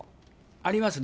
ありますね。